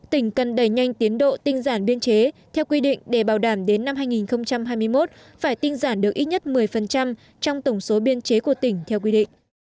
tỉnh cần đẩy nhanh tiến độ tinh giản biên chế theo quy định để bảo đảm đến năm hai nghìn hai mươi một phải tinh giản được ít nhất một mươi trong tổng số biên chế của tỉnh theo quy định